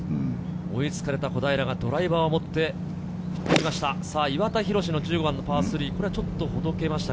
追いつかれた小平がドライバーを持って振りました。